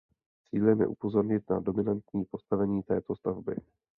Cílem je upozornit na dominantní postavení této stavby.